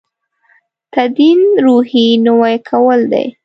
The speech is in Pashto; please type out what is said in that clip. تدین روحیې نوي کول دی.